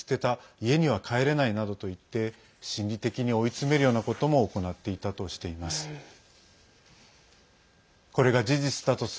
家には帰れないなどと言って心理的に追い詰めるようなことも行っていたとしています。